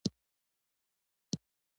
مرسته ورسره کوي.